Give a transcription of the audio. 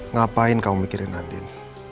ngapain kamu mikirin andien